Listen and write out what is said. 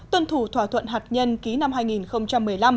tuân thủ thỏa thuận hạt nhân ký năm hai nghìn một mươi năm